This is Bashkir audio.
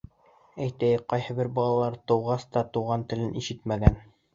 Әйтәйек, ҡайһы бер балалар тыуғас та туған телен ишетмәгән.